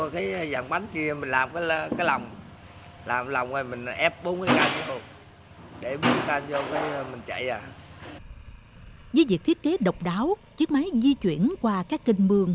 chiếc máy di chuyển qua các kinh mương